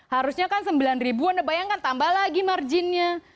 harusnya kan rp sembilan anda bayangkan tambah lagi marginnya